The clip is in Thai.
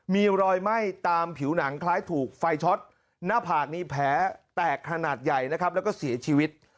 มีรอยไหม้ตามผิวหนังคล้ายถูกไฟช็อตหน้าผากมีแผลแตกขนาดใหญ่นะครับแล้วก็เสียชีวิต